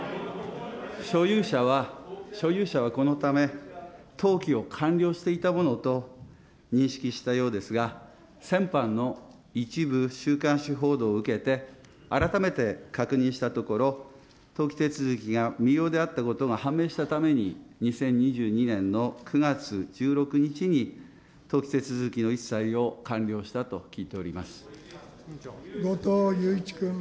所有者は、所有者はこのため、登記を完了していたものと認識したようですが、先般の一部週刊誌報道を受けて、改めて確認したところ、登記手続きが未了であったことが判明したために、２０２２年の９月１６日に登記手続きの一切を完了したと聞いてお後藤祐一君。